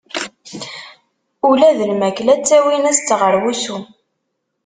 Ula d lmakla ttawin-as-tt ɣer wusu.